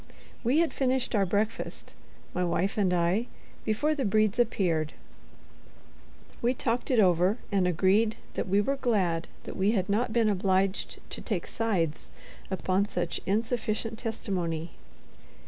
We had finished our breakfast, my wife and I, before the Bredes appeared. We talked it over, and agreed that we were glad that we had not been obliged to take sides upon such insufficient testimony.